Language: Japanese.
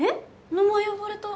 名前呼ばれた。